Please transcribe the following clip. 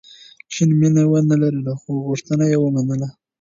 جین مینه ونه لرله، خو غوښتنه یې ومنله.